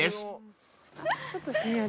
ちょっとひんやり。